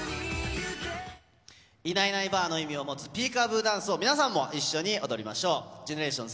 いないないばあの意味を持つ、ピーカーブーダンスを皆さんも一緒に踊りましょう。